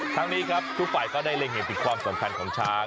ทั้งนี้ครับทุกฝ่ายก็ได้เล็งเห็นถึงความสำคัญของช้าง